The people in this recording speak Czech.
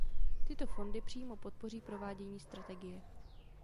Tyto fondy přímo podpoří provádění strategie.